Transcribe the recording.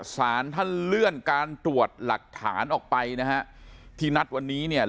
สารท่านเลื่อนการตรวจหลักฐานออกไปนะฮะที่นัดวันนี้เนี่ย